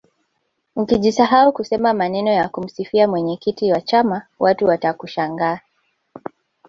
ukijisahau kusema maneno ya kumsifia mwenyekiti wa chama watu watakushangaa